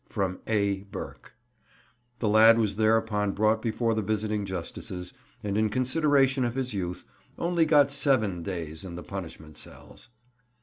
From A. Burke." The lad was thereupon brought before the visiting justices, and in consideration of his youth only got seven days in the punishment cells.